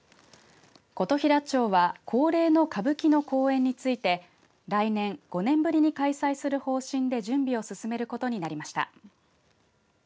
琴平町は恒例の歌舞伎の公演について来年５年ぶりに開催する方針で準備を進めることになりました。